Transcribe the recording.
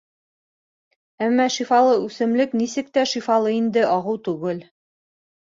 Әммә шифалы үҫемлек нисек тә шифалы инде, ағыу түгел.